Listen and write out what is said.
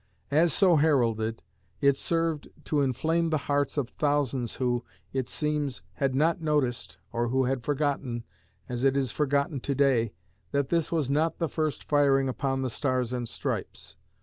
As so heralded, it served to inflame the hearts of thousands who, it seems, had not noticed or who had forgotten, as it is forgotten to day, that this was not the first firing upon the Stars and Stripes.